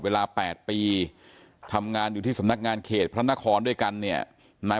เวลา๘ปีทำงานอยู่ที่สำนักงานเขตพระนครด้วยกันเนี่ยนาย